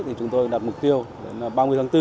thì chúng tôi đặt mục tiêu đến ba mươi tháng bốn